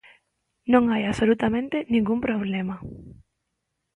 Non hai absolutamente ningún problema.